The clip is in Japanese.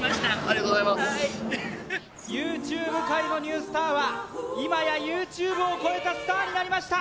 はいＹｏｕＴｕｂｅ界のニュースターは今やＹｏｕＴｕｂｅを超えたスターになりました